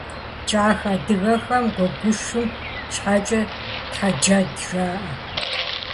Кӏахэ адыгэхэм гуэгушым щхьэкӏэ тхьэджэд жаӏэ.